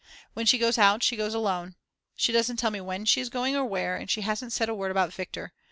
When she goes out she goes alone. She doesn't tell me when she is going or where, and she hasn't said a word about Viktor.